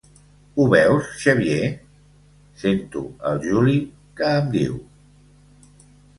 Ho veus, Xavier? —sento el Juli que em diu—.